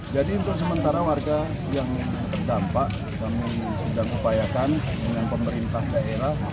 jadi untuk sementara warga yang terdampak kami sedang upayakan dengan pemerintah daerah